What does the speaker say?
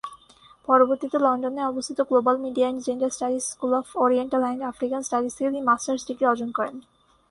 পরবর্তীতে লন্ডনে অবস্থিত global media and gender studies school of oriental and African studies থেকে তিনি মাস্টার্স ডিগ্রি অর্জন করেন।